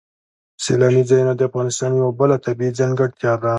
سیلاني ځایونه د افغانستان یوه بله طبیعي ځانګړتیا ده.